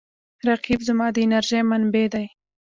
رقیب زما د انرژۍ منبع دی